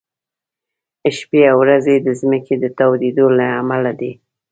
شپې او ورځې د ځمکې د تاوېدو له امله دي.